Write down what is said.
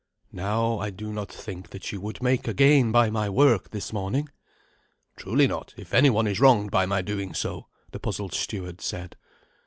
"Now, I do not think that you would make a gain by my work this morning?" "Truly not, if any one is wronged by my doing so," the puzzled steward said.